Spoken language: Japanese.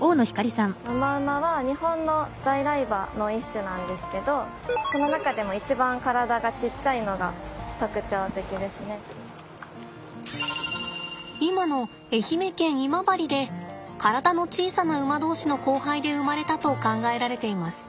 野間馬は日本の在来馬の一種なんですけどその中でも今の愛媛県今治で体の小さな馬同士の交配で生まれたと考えられています。